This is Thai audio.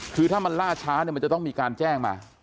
คือถ้ามันล่าช้าเนี่ยมันจะต้องมีการแจ้งมา